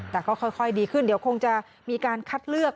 แต่ก็ค่อยดีขึ้นเดี๋ยวคงจะมีการคัดเลือก